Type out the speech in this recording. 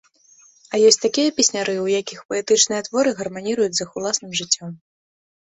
А ёсць такія песняры, у якіх паэтычныя творы гарманіруюць з іх уласным жыццём.